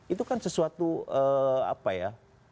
itu kan sesuatu apa ya